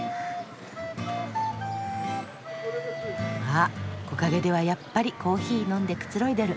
あ木陰ではやっぱりコーヒー飲んでくつろいでる。